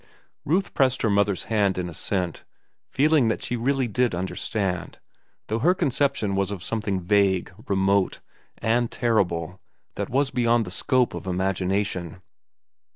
Ruth pressed her mother's hand in assent, feeling that she really did understand, though her conception was of something vague, remote, and terrible that was beyond the scope of imagination.